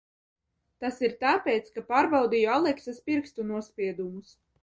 Tas ir tāpēc, ka pārbaudīju Aleksas pirkstu nospiedumus?